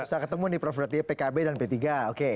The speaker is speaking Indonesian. susah ketemu nih prof rotiya pkb dan p tiga oke